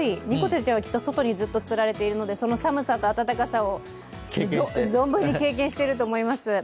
にこてるちゃんはずっとつられているので寒さと暖かさを存分に経験していると思います。